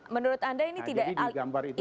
menurut anda ini tidak alami ya prof